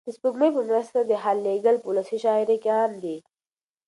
د سپوږمۍ په مرسته د حال لېږل په ولسي شاعرۍ کې عام دي.